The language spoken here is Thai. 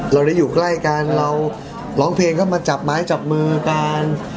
เราได้อยู่ใกล้กันเราร้องเพลงเข้ามาจับไม้จับมือกัน